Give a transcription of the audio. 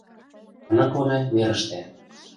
Аныклыме верыште.